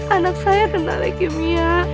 anak saya kena leukemia